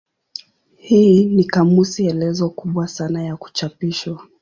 Hii ni kamusi elezo kubwa sana ya kuchapishwa.